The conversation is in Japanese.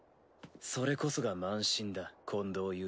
それこそが慢心だ近導ユウユ。